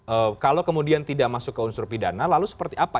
eee kalau kemudian tidak masuk ke unsur pidana lalu seperti apa